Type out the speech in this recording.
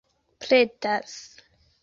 pretas